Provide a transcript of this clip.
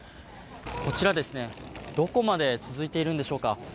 こちら、どこまで続いているんでしょうか。